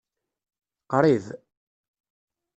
Qṛib.